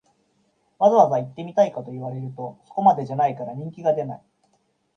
わざわざ行ってみたいかと言われると、そこまでじゃないから人気が出ない